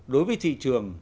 đối với thị trường